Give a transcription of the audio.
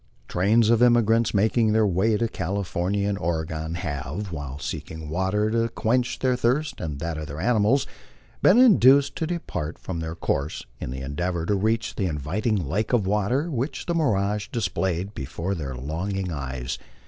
Trains of emigrants making their way to California and Oregon have, while seeking water to quench their thirst and that of their animals, been induced to depart from their course in the endeavor to reach the inviting lake of water which the mirage displayed before their longing eyes.